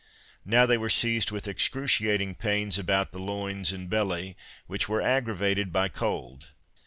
Now they were seized with excruciating pains about the loins and belly, which were aggravated by cold.